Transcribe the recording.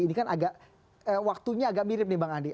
ini kan agak waktunya agak mirip nih bang andi